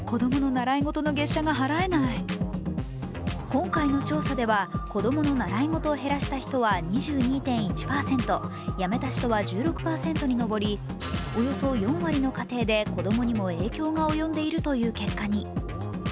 今回の調査では子供の習い事を減らした人は２２．１％、やめた人は１６％に上り、およそ４割の家庭で、子供にも影響が及んでいるという結果に。